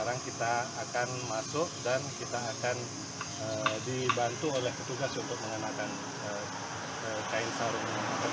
jadi yang menggunakan celana harus diganti menggunakan sarung